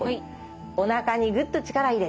おなかにぐっと力入れて。